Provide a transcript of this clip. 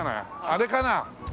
あれかな？